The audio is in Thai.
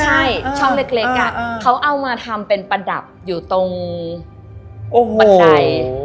ใช่ช่องเล็กเขาเอามาทำเป็นประดับอยู่ตรงบันได